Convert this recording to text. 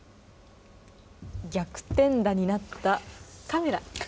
逆転打になったカメラＱＶ−１０